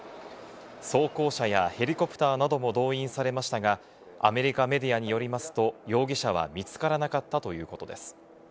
装甲車やヘリコプターなども動員されましたが、アメリカメディアによりますと、容疑者は見つからなかったということです。